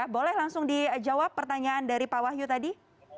boleh langsung dijawab pertanyaan dari pak wahyu tadi